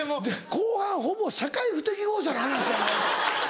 後半ほぼ社会不適合者の話やないか。